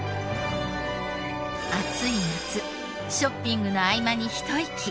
暑い夏ショッピングの合間にひと息。